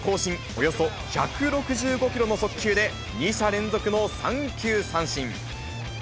およそ１６５キロの速球で２者連続の三球三振。